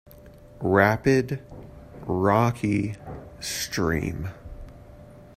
Rapid Rocky Stream.